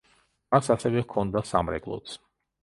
მას ასევე ჰქონდა სამრეკლოც.